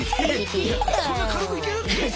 そんな軽くいける？